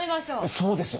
そうですよ。